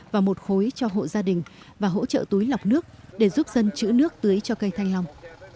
và một khối cho hộ gia đình và hỗ trợ túi lọc nước để giúp dân chữ nước tưới cho cây thanh long